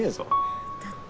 だって。